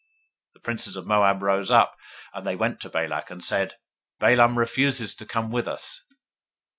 022:014 The princes of Moab rose up, and they went to Balak, and said, Balaam refuses to come with us.